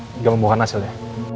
tidak membahas hasilnya